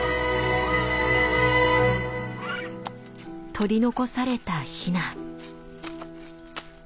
取り残されたヒナ。